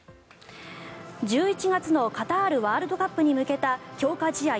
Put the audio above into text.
１１月のカタールワールドカップに向けた強化試合